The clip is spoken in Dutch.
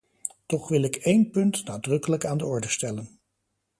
Toch wil ik één punt nadrukkelijk aan de orde stellen.